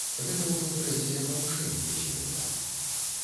Гэта ўжо трэцяе павышэнне сёлета.